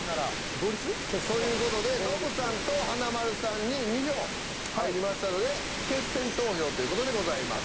同率？という事でノブさんと華丸さんに２票入りましたので決選投票という事でございます。